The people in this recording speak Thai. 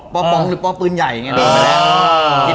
ปป๋องหรือปปืนใหญ่อย่างนี้